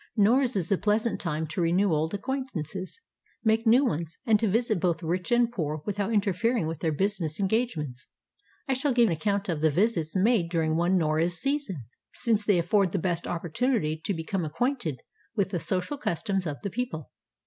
Noruz is a pleasant time to renew old acquaintances, make new ones, and to visit both rich and poor without interfering with their business engagements. I shall give an account of the visits made during one Noruz season, 434 NEW YEAR'S CALLS AND GIFTS since they afford the best opportunity to become ac quainted with the social customs of the people.